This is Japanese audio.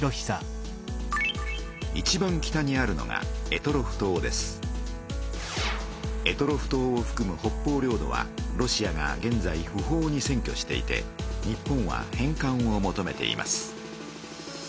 いちばん北にあるのが択捉島をふくむ北方領土はロシアがげんざい不法にせんきょしていて日本は返かんを求めています。